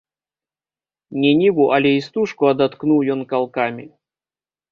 Не ніву, але істужку адаткнуў ён калкамі.